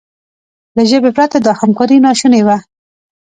له ژبې پرته دا همکاري ناشونې وه.